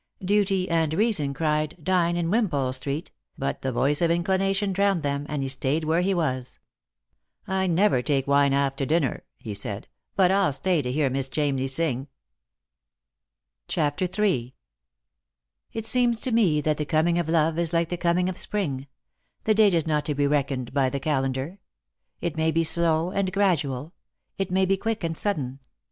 Duty and reason cried "Dine in Wimpole street," but the voice of inclination drowned them, and he stayed where he was. "I never take wine after dinner," he said; " but I'll stay to hear Miss Chamney sing." CHAPTER III. " It seems to me that the coming of love is like the coming of spring— the date is not to be reckoned by the calendar. It may be slow and gradual ; it may '/e quick and sudden.